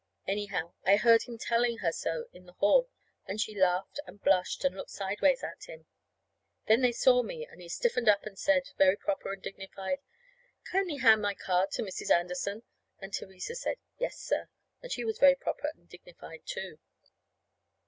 Anyhow, I heard him telling her so in the hall, and she laughed and blushed and looked sideways at him. Then they saw me, and he stiffened up and said, very proper and dignified, "Kindly hand my card to Mrs. Anderson." And Theresa said, "Yes, sir." And she was very proper and dignified, too.